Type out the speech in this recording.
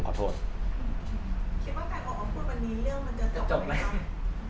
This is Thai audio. คิดว่าใครบอกว่าพูดวันนี้เรื่องจะจบไหม